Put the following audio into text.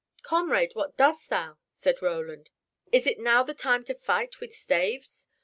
"Comrade, what dost thou?" said Roland. "Is it now the time to fight with staves?